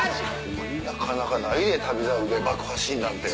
なかなかないで『旅猿』で爆破シーンなんて。